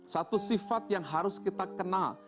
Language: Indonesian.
satu sifat yang harus kita kenal